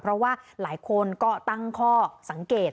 เพราะว่าหลายคนก็ตั้งข้อสังเกต